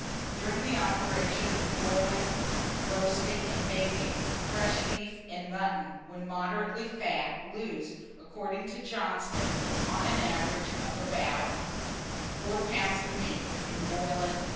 DURING THE OPERATIONS OF BOILING, BOASTING, AND BAKING, fresh beef and mutton, when moderately fat, lose, according to Johnston, on an average about In boiling.